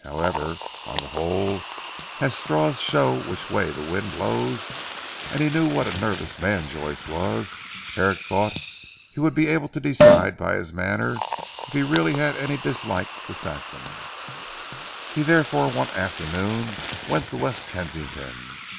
However, on the whole as straws show which way the wind blows and he knew what a nervous man Joyce was, Herrick thought he would be able to decide by his manner if he really had any dislike to Saxham. He therefore one afternoon went to West Kensington.